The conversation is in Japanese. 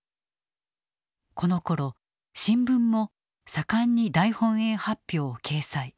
このころ新聞も盛んに大本営発表を掲載。